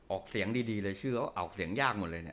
ออกเสียงดีเลยชื่อเขาออกเสียงยากหมดเลยเนี่ย